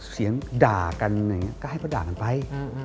เสียงด่ากันก็ให้พระด่ากันไป